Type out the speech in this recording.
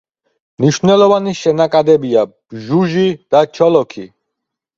მნიშვნელოვანი შენაკადებია ბჟუჟი და ჩოლოქი.